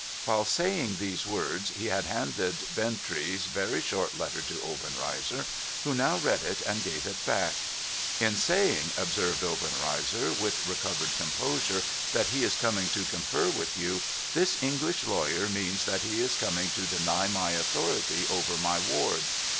While saying these words, he had handed Bintrey's very short letter to Obenreizer, who now read it and gave it back. ' In saying,' observed Obenreizer, with recovered composure, * that he is coming to confer with you, this English lawyer means that he is coming to deny my authority over my ward.'